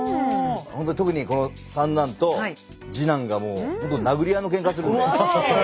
ほんとに特にこの三男と次男がもうほんと殴り合いのけんかするんで。